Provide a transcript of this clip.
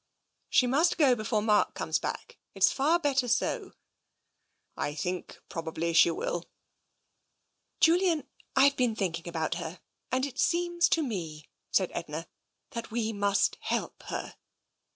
" She must go before Mark comes back. It's far better so." " I think probably she will." TENSION 269 " Julian, I've been thinking about her. And it seems to me/' said Edna, "that we must help her.